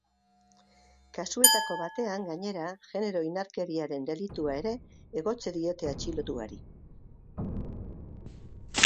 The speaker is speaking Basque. Kasuetako batean, gainera, genero indarkeriaren delitua ere egotzi diote atxilotuari.